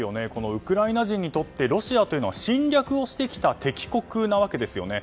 ウクライナ人にとってロシアというのは侵略をしてきた敵国なわけですよね。